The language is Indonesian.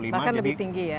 bahkan lebih tinggi ya